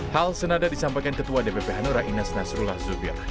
hal senada disampaikan ketua dpp hanura inas nasrullah zubir